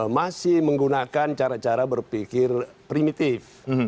masih menggunakan cara cara berpikir primitif